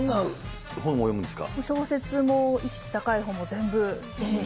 小説も、意識高い本も全部。